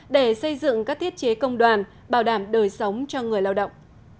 để xây dựng các thiết chế công đoàn bảo đảm đời sống cho người lao động